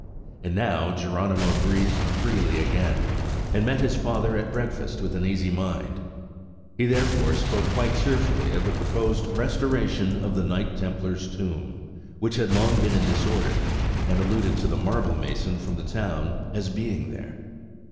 And now Geronimo breathed freely again, and met his father at breakfast with an easy mind. He therefore spoke quite cheerfully of the proposed restoration of a Knight Templar's tomb, which had long been in disorder, and alluded to the marble mason from the town as being there.